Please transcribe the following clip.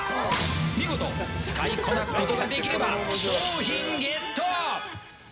見事使いこなすことができれば商品ゲット！